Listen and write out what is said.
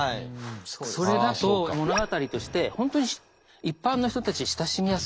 それだと物語として本当に一般の人たち親しみやすいですか。